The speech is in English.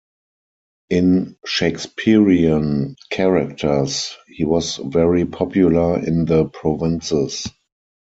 In Shakespearian characters he was very popular in the provinces.